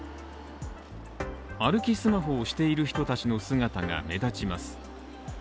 歩きスマホをしている人たちの姿が目立ちます。